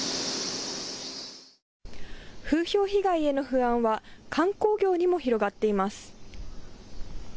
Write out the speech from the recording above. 風評被害への不安は観光業にも広がっています。